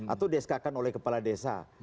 atau di eskakan oleh kepala desa